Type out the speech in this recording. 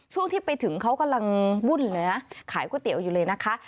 ช่วงที่ไปถึงเขากำลังวุ่นเลยนะขายก๋วยเตี๋ยวอยู่เลยนะคะ